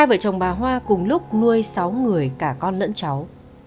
ba vợ chồng bà hoa cùng lúc nuôi sáu người cả con lẫn cháu